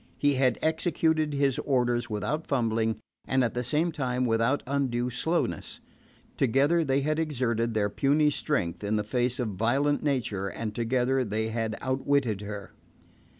He had executed his orders without fumbling, and at the same time without undue slowness. Together they had exerted their puny strength in the face of violent nature, and together they had outwitted her.